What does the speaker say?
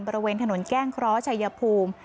บริเวณถนนแก้งคล้อชายภูมิ